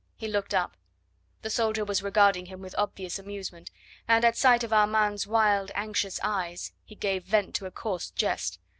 He looked up; the soldier was regarding him with obvious amusement, and at sight of Armand's wild, anxious eyes he gave vent to a coarse jest.